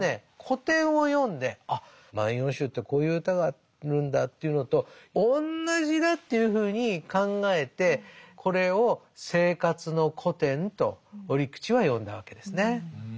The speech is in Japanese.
古典を読んであっ「万葉集」ってこういう歌があるんだというのと同じだというふうに考えてこれを「生活の古典」と折口は呼んだわけですね。